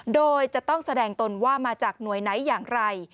โดยจะต้องแสดงตนว่ามาจากหน่วยไหนอย่างไร